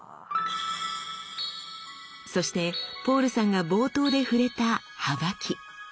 そしてポールさんが冒頭で触れたはばき。